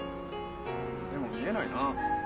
でも見えないなあ。